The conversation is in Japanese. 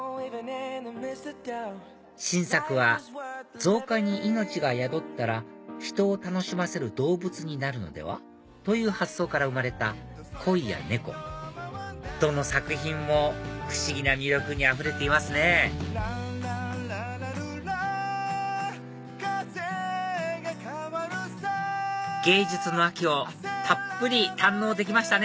新作は「造花に命が宿ったら人を楽しませる動物になるのでは」という発想から生まれたコイや猫どの作品も不思議な魅力にあふれていますね芸術の秋をたっぷり堪能できましたね